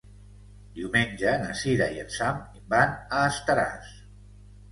Diumenge na Cira i en Sam van a Estaràs.